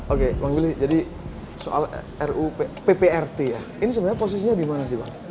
oke bang guli jadi soal ru pprt ya ini sebenarnya posisinya di mana sih pak